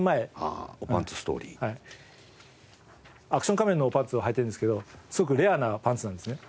アクション仮面のおパンツをはいてるんですけどすごくレアなパンツなんですね。